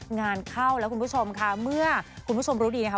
งานเข้าแล้วคุณผู้ชมค่ะเมื่อคุณผู้ชมรู้ดีนะคะ